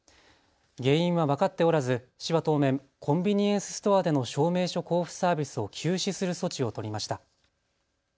原因は分かっておらず、市は当面コンビニエンスストアでの証明書交付サービスを休止する措置を取りました。